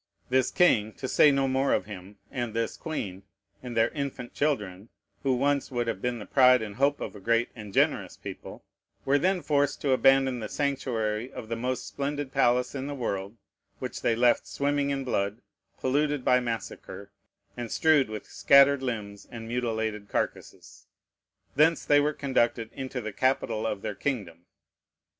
This king, to say no more of him, and this queen, and their infant children, (who once would have been the pride and hope of a great and generous people,) were then forced to abandon the sanctuary of the most splendid palace in the world, which they left swimming in blood, polluted by massacre, and strewed with scattered limbs and mutilated carcasses. Thence they were conducted into the capital of their kingdom.